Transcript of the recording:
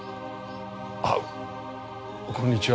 あこんにちは。